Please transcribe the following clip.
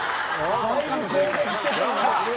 だいぶ攻撃してくるな。